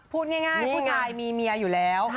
พูดง่ายผู้ชายมีเมียอยู่แล้ว